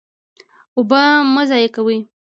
اوبه مه ضایع کوئ